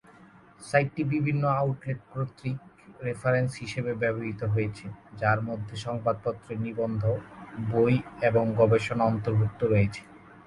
সাইটটি বিভিন্ন আউটলেট কর্তৃক রেফারেন্স হিসাবে ব্যবহৃত হয়েছে যার মধ্যে সংবাদপত্রের নিবন্ধ, বই এবং গবেষণা অন্তর্ভুক্ত রয়েছে।